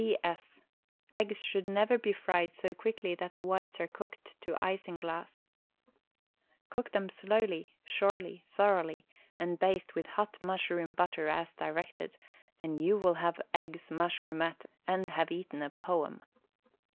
P. S. — Eggs should never be fried so quickly that the whites are cooked to isinglass. Cook them slowly, WRITTEN FOR MEN BY MEN surely, thoroughly and baste with hot mushroom butter as directed, and you will have Eggs MushroMnette and have eaten a poem!